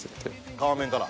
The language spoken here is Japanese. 皮面から？